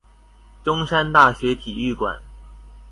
中山大學體育館